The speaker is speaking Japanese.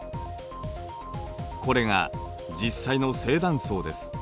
これが実際の正断層です。